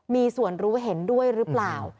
มีส่วนรู้เห็นด้วยหรือเปล่า